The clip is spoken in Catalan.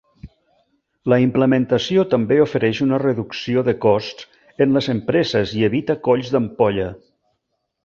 La implementació també ofereix una reducció de costs en les empreses i evita colls d'ampolla.